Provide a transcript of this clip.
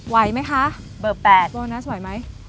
ไหวไหมคะโบนัส๘ไหวไหม